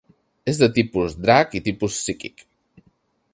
És de tipus drac i tipus psíquic.